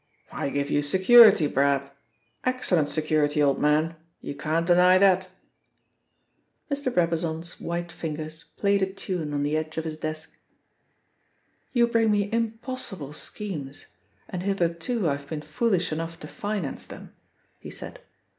"I give you security, Brab excellent security, old man. You can't deny that!" Mr. Brabazon's white fingers played a tune on the edge of his desk. "You bring me impossible schemes, and hitherto I have been foolish enough to finance them," he said.